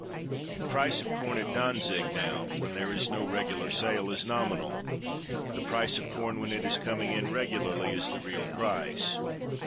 The price of corn at Dantzic now, when there is no regular sale, is nominal; the price of corn when it is coming in regularly is the real price.